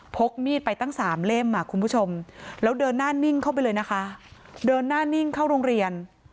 กมีดไปตั้งสามเล่มคุณผู้ชมแล้วเดินหน้านิ่งเข้าไปเลยนะคะเดินหน้านิ่งเข้าโรงเรียน